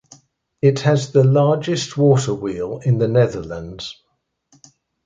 It has the largest water wheel in the Netherlands.